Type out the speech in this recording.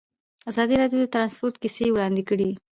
ازادي راډیو د ترانسپورټ کیسې وړاندې کړي.